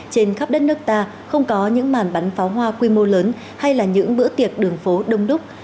trên khắp đất nước ta không có những màn bắn pháo hoa quy mô lớn hay là những bữa tiệc đường phố đông đúc